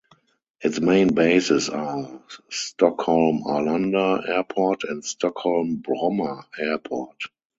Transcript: Its main bases are Stockholm-Arlanda Airport and Stockholm-Bromma Airport.